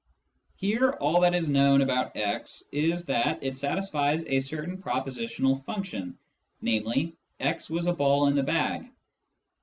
Here all that is known about x is that it satisfies a certain propositional function, namely, "* was a ball in the bag."